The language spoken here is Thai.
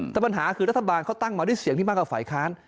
แต่ปัญหาคือรัฐบาลเขาตั้งมาด้วยเสียงที่มากกว่าฝ่ายค้าน